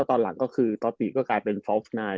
ตอนหลังธอตติก็กลายเป็นฟอร์ฟนายท์